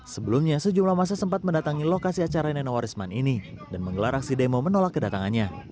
sebelumnya sejumlah masa sempat mendatangi lokasi acara nenowarisman ini dan menggelar aksi demo menolak kedatangannya